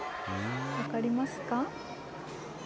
分かりますか？